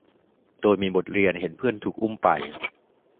โดยมีบทเรียนเห็นเพื่อนถูกอุ้มไป